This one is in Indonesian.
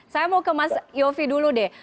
saya mau ke mas yofi dulu deh